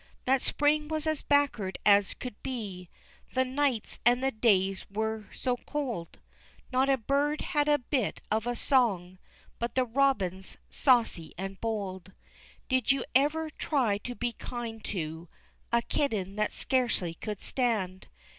That spring was as backward as could be, The nights and the days were so cold, Not a bird had a bit of a song But the robins, saucy and bold. Did you ever try to be kind to A kitten that scarcely could stand?